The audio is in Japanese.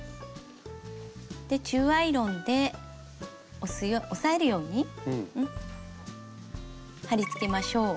で中アイロンで押さえるように貼り付けましょう。